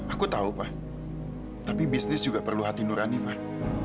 aku tahu pak tapi bisnis juga perlu hati nurani pak